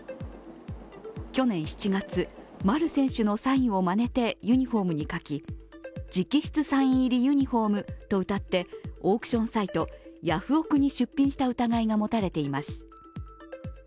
去年７月、丸選手のサインをまねてユニフォームに書き直筆サイン入りユニフォームとうたってオークションサイト、ヤフオク！に出品した疑いが持たれています。